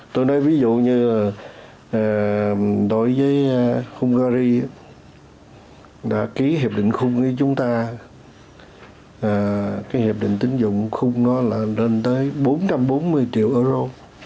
tôi nói ví dụ như là đối với hungary đã ký hiệp định khung ý chúng ta cái hiệp định tính dụng khung nó là lên tới bốn trăm bốn mươi triệu euro